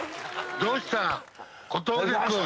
どうした？